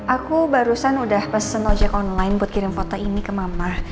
aku barusan udah pesen ojek online buat kirim foto ini ke mama